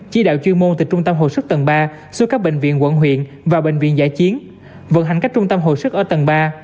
chỉ đạo chuyên môn từ trung tâm hồi sức tầng ba xuống các bệnh viện quận huyện và bệnh viện giải chiến vận hành các trung tâm hồi sức ở tầng ba